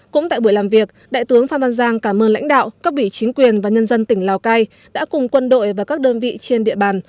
cũng tại buổi làm việc đại tướng phan văn giang cảm ơn lãnh đạo các vị chính quyền và nhân dân tỉnh lào cai đã cùng quân đội và các đơn vị trên địa bàn